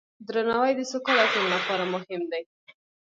درناوی د سوکاله ژوند لپاره مهم دی.